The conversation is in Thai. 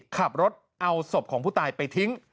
ขับรถเอาศพของผู้ตายไปทิ้ง